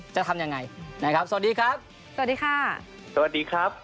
จะทำยังไงนะครับสวัสดีครับสวัสดีค่ะสวัสดีครับ